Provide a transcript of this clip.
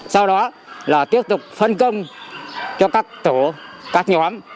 sau đó là tiếp tục phân công cho các tổ các nhóm